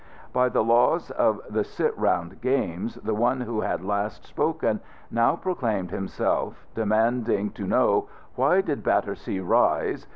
By the laws of the sit round games the one who had last spoken now proclaimed himself, demanding to know, "Why did Battersea Rise?"